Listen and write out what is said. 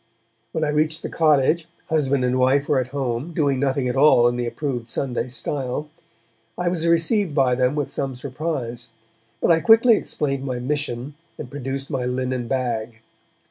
When I reached the cottage, husband and wife were at home, doing nothing at all in the approved Sunday style. I was received by them with some surprise, but I quickly explained my mission, and produced my linen bag.